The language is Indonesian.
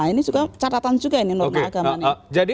ini juga catatan juga ini norma agama nih